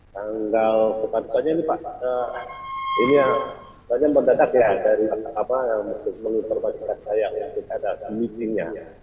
sanggal bukan pokoknya ini pak ini yang pokoknya mendadak ya dari mahkamah yang menginformasikan saya untuk ada meeting nya